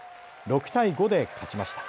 ６対５で勝ちました。